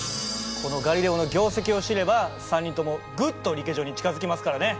このガリレオの業績を知れば３人ともぐっとリケジョに近づきますからね。